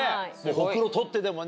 ホクロ取ってでもね。